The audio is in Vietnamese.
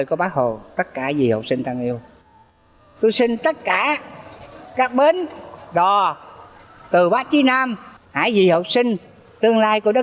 cuộc sống sẽ thực sự ý nghĩa